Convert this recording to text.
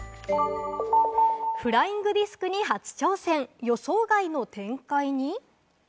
フライングディスクに初挑戦、予想外の展開に。